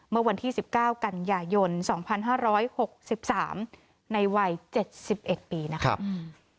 เมื่อวันที่๑๙กันยายน๒๕๖๓ในวัย๗๑ปีนะครับ